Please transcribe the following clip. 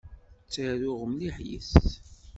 Ttaruɣ mliḥ yes-s.